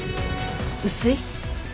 薄い？